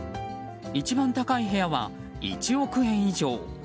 一番高い部屋は１億円以上。